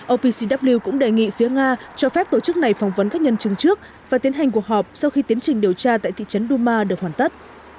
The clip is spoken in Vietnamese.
opcw cũng đề nghị phía nga cho phép tổ chức này phỏng vấn các nhân chứng trước và tiến hành cuộc họp sau khi tiến trình điều tra tại thị trấn duma được hoàn tất